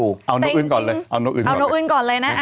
เอานโนอื่นก่อนเลย